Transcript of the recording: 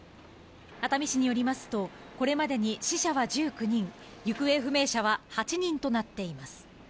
熱海市によりますと、これまでに死者は１９人、行方不明者は８人となっています。